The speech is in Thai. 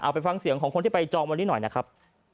ไปฟังเสียงของคนที่ไปจองวันนี้หน่อยนะครับ